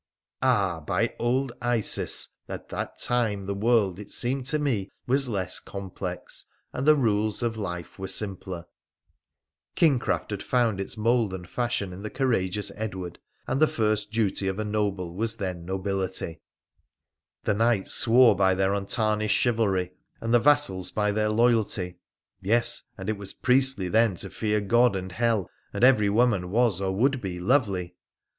Ah ! by old Isis ! at that time the world, it seemed to me, PHRA THE PHCENICIAN 147 Was less complex, and the rules of life were simpler. King craft had found its mould and fashion in the courageous Edward, and the first duty of a noble was then nobility : the Knights swore by their untarnished chivalry, and the vassals by their loyalty. Yes ! and it was priestly then to fear God and hell, and every woman was, or would be, lovely